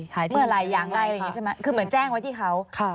หายเพราะอะไรอย่างไรอย่างงี้ใช่ไหมคือเหมือนแจ้งไว้ที่เขาค่ะ